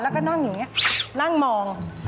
ตื่นขึ้นมาอีกทีตอน๑๐โมงเช้า